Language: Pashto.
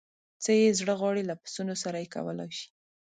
څه یې زړه غواړي له پسونو سره یې کولای شي.